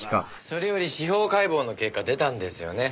それより司法解剖の結果出たんですよね？